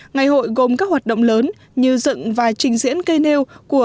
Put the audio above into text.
ngày hội gồm các hoạt động lớn như dựa